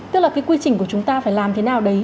tức là cái quy trình của chúng ta phải làm thế nào đấy